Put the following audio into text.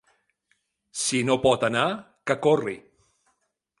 Si no pot anar, que corri.